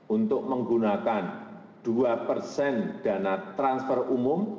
untuk menggunakan dua persen dana transfer umum